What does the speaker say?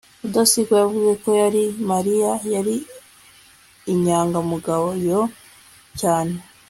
rudasingwa yavuze ko mariya yari inyangamugayo cyane